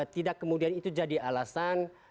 tidak kemudian itu jadi alasan